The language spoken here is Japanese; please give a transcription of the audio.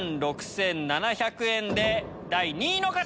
１万６７００円で第２位の方！